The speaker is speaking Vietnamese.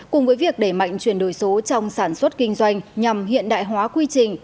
cùng với việc đẩy mạnh chuyển đổi số trong sản xuất kinh doanh nhằm hiện đại hóa quy trình